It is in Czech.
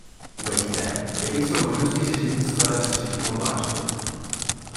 Uveďte, jaké jsou možnosti řešení skladeb střešního pláště.